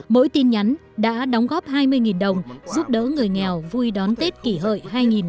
mỗi tin nhắn đã đóng góp hai mươi đồng giúp đỡ người nghèo vui đón tết kỷ hợi hai nghìn một mươi chín